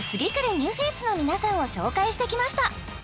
ニューフェイス！の皆さんを紹介してきました